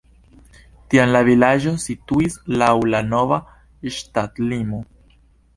Tiam la vilaĝo situis laŭ la nova ŝtatlimo.